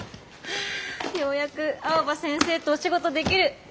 ようやく青葉先生とお仕事できる！